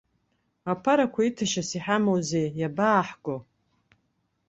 Аԥарақәа иҭашьас иҳамоузеи, иабааҳго.